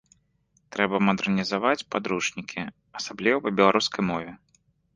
Трэба мадэрнізаваць падручнікі, асабліва па беларускай мове.